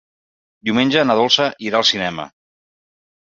Diumenge na Dolça irà al cinema.